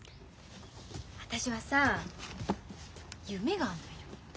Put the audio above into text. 私はさ夢があんのよ。